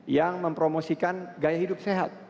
yang mempromosikan gaya hidup sehat